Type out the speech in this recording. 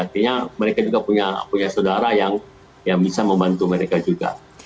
artinya mereka juga punya saudara yang bisa membantu mereka juga